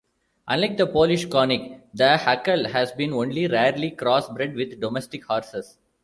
Unlike the Polish Konik, the Hucul has been only rarely cross-bred with domestic horses.